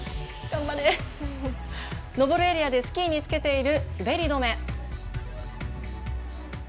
登るエリアでスキーにつけている滑り止め。